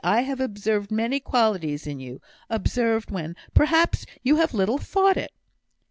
I have observed many qualities in you observed when, perhaps, you have little thought it."